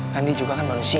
kan dia juga kan manusia